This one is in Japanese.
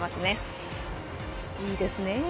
いいですね。